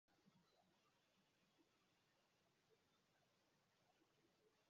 umuyobozi mukuru w ikigo cya leta ashinzwe